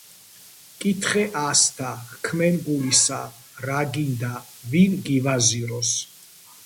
ჰკითხე ასთა, ქმენ გულისა, რა გინდა ვინ გივაზიროს.